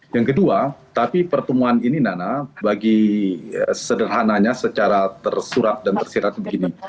yang kedua tapi pertemuan ini nana bagi sederhananya secara tersurat dan tersirat begini